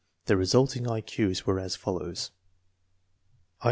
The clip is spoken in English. The resulting I Q's were as follows: IQ.